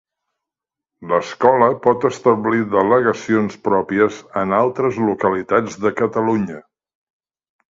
L'Escola pot establir delegacions pròpies en altres localitats de Catalunya.